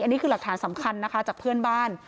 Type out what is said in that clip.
อันนี้คือหลักฐานสำคัญนะคะจากเพื่อนบ้าน